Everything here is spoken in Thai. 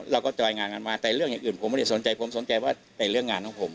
จอยงานกันมาแต่เรื่องอย่างอื่นผมไม่ได้สนใจผมสนใจว่าเรื่องงานของผม